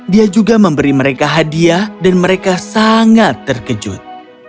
dia juga memberi mereka hadiah dan mereka sangat terkejut